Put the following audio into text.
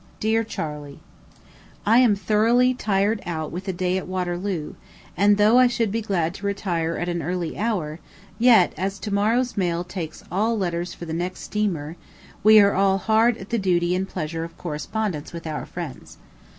DEAR CHARLEY: I am thoroughly tired out with a day at Waterloo; and, though I should be glad to retire at an early hour, yet, as to morrow's mail takes all letters for the next steamer, we are all hard at the duty and pleasure of correspondence with our friends.